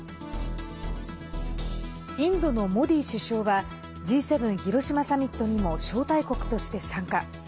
インドのモディ首相はＧ７広島サミットにも招待国として参加。